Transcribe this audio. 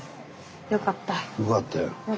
よかったよ。